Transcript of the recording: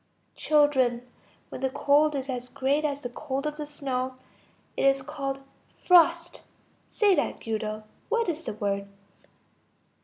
Children, when the cold is as great as the cold of the snow, it is called frost. Say that, Guido. What is the word?